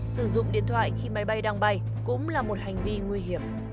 sử dụng điện thoại khi máy bay đang bay cũng là một hành vi nguy hiểm